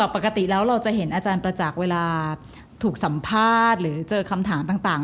ปกติแล้วเราจะเห็นอาจารย์ประจักษ์เวลาถูกสัมภาษณ์หรือเจอคำถามต่าง